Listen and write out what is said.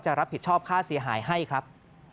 รับผิดชอบค่าเสียหายให้ครับ